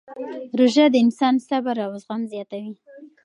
روژه د انسان صبر او زغم زیاتوي.